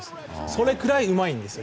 それくらい、うまいんです。